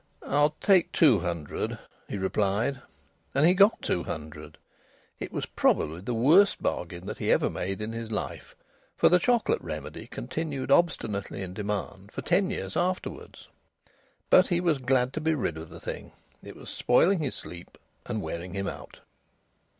"I'll take two hundred," he replied. And he got two hundred. It was probably the worst bargain that he ever made in his life. For the Chocolate Remedy continued obstinately in demand for ten years afterwards. But he was glad to be rid of the thing; it was spoiling his sleep and wearing him out.